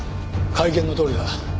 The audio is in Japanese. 会見のとおりだ。